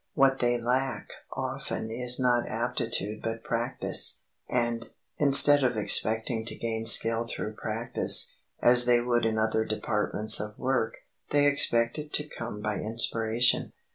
What they lack often is not aptitude but practise; and, instead of expecting to gain skill through practise, as they would in other departments of work, they expect it to come by inspiration.